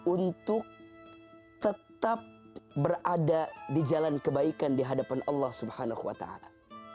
untuk tetap berada di jalan kebaikan di hadapan allah subhanahu wa ta'ala